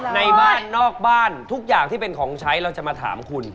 ในบ้านนอกบ้านทุกอย่างที่เป็นของใช้เราจะมาถามคุณ